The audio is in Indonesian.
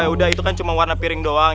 udah itu kan cuma warna piring doang